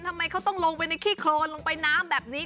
ทำไมเขาต้องลงไปในขี้โครนลงไปน้ำแบบนี้